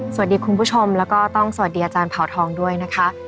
สวัสดีคุณผู้ชมและต้องสวัสดีอาจารย์พาทองด้วยนะคะ